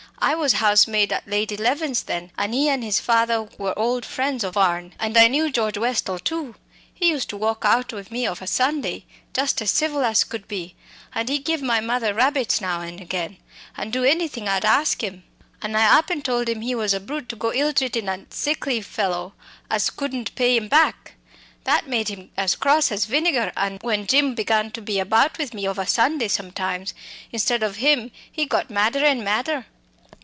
I was housemaid at Lady Leven's then, an' he and his father were old friends of ourn. And I knew George Westall too. He used to walk out with me of a Sunday, just as civil as could be, and give my mother rabbits now and again, and do anything I'd ask him. An' I up and told him he was a brute to go ill treatin' a sickly fellow as couldn't pay him back. That made him as cross as vinegar, an' when Jim began to be about with me ov a Sunday sometimes, instead of him, he got madder and madder.